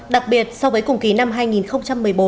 đặc biệt so với cùng kỳ năm hai nghìn một mươi bốn